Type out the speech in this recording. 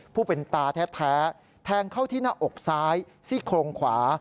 ผู้เป็นตาแท้แทงเข้าที่หน้าอกซ้ายซี่โครงขวา